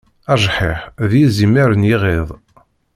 Ajḥiḥ d yizimer d yiɣid.